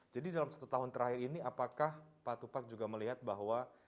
jadi dalam satu tahun terakhir ini apakah pak tupak juga melihat bahwa